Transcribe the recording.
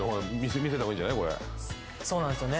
そうなんですよね。